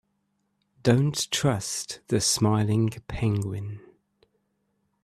Don't trust the smiling penguin.